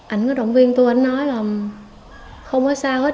anh có động viên tôi anh nói là không có sao hết